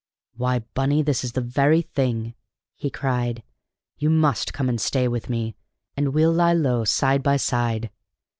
"Why, Bunny, this is the very thing!" he cried. "You must come and stay with me, and we'll lie low side by side.